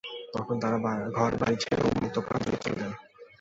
তখন তারা ঘর-বাড়ি ছেড়ে উন্মুক্ত প্রান্তরে চলে যায়।